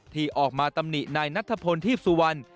ที่ออกมาตำหนินายนัทพลทีพสุวรรณ